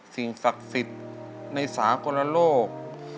สิ่งศักดิ์สิทธิ์ในสากลโลก